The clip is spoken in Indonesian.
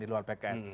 di luar pks